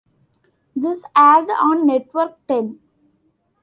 This aired on Network Ten.